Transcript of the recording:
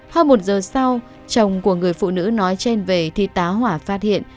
hơn một giờ sau chồng của người phụ nữ nói trên về thì tá hỏa phát hiện